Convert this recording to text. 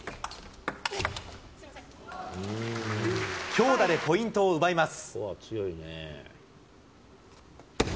強打でポイントを奪います。